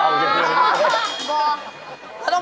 บอก